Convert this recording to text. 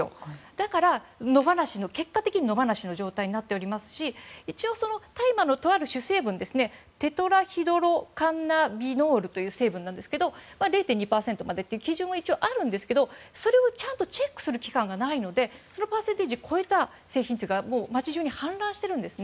だから、結果的に野放しの状態になっていますし一応、大麻の主成分テトラヒドロカンナビノールという成分なんですけど０．２％までという基準は一応あるんですけどそれをちゃんとチェックする機関がないのでそのパーセンテージを超えた製品が街中に氾濫してるんです。